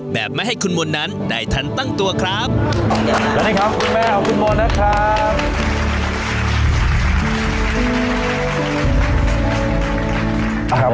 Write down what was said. แบบไม่ให้คุณมนต์นั้นได้ทันตั้งตัวครับสวัสดีครับคุณแม่ของคุณบอลนะครับ